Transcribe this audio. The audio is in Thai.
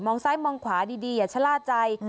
ซ้ายมองขวาดีอย่าชะล่าใจ